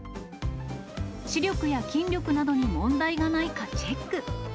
視力や筋力などに問題がないかチェック。